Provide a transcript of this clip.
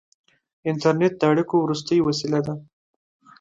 • انټرنېټ د اړیکو وروستۍ وسیله ده.